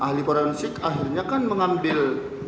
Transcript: ahli forensik akhirnya kan mengambil